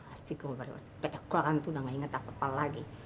asyik baca koran tuh udah nggak inget apa apa lagi